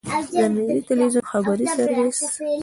د ملي ټلویزیون خبري سرویس.